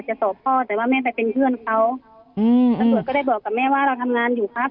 สอบพ่อแต่ว่าแม่ไปเป็นเพื่อนเขาอืมตำรวจก็ได้บอกกับแม่ว่าเราทำงานอยู่ครับ